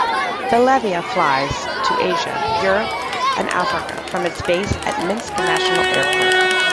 Belavia flies to Asia, Europe and Africa from its base at Minsk National Airport.